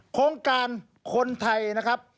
โครงการคนไทยนะครับ